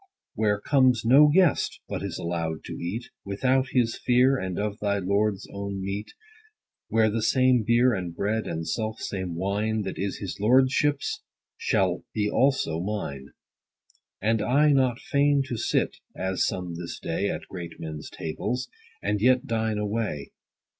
60 Where comes no guest, but is allow'd to eat, Without his fear, and of thy lord's own meat : Where the same beer and bread, and self same wine, That is his lordship's, shall be also mine. And I not fain to sit (as some this day, At great men's tables) and yet dine away.